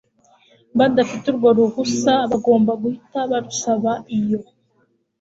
badafite urwo ruhusa bagomba guhita barusaba iyo